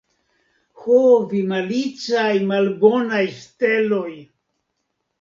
Ho vi malicaj, malbonaj steloj!